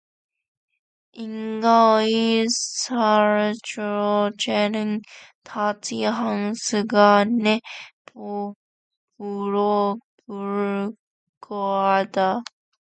인간의 삶 전체는 단지 한 순간에 불과하다.